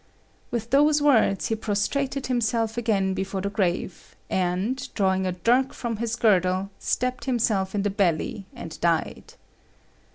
With those words he prostrated himself again before the grave, and, drawing a dirk from his girdle, stabbed himself in the belly and died.